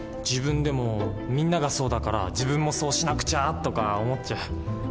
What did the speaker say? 自分でも「みんながそうだから自分もそうしなくちゃ」とか思っちゃう。